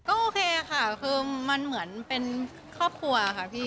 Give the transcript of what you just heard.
ก็โอเคค่ะคือมันเหมือนเป็นครอบครัวค่ะพี่